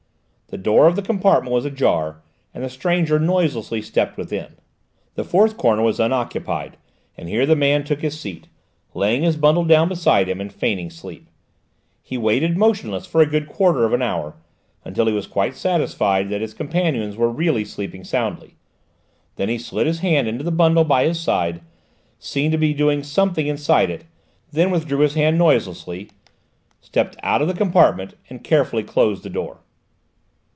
The door of the compartment was ajar, and the stranger noiselessly stepped within. The fourth corner was unoccupied, and here the man took his seat, laying his bundle down beside him, and feigning sleep. He waited, motionless, for a good quarter of an hour, until he was quite satisfied that his companions were really sleeping soundly, then he slid his hand into the bundle by his side, seemed to be doing something inside it, then withdrew his hand noiselessly, stepped out of the compartment, and carefully closed the door.